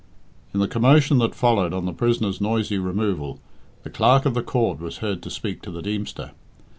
In the commotion that followed on the prisoner's noisy removal, the Clerk of the Court was heard to speak to the Deemster.